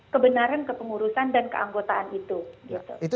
kebenaran kepengurusan dan keanggotaan itu